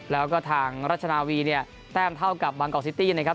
แล้วก็ทางราชนาวีเนี่ยแต้มเท่ากับบางกอกซิตี้นะครับ